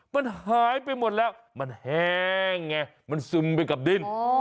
มันหายไปหมดแล้วมันแห้งไงมันซึมไปกับดิน